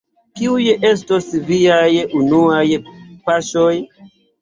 Kiuj estos viaj unuaj paŝoj?